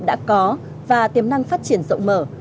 đã có và tiềm năng phát triển rộng mở